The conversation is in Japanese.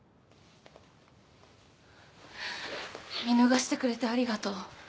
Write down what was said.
見逃してくれてありがとう。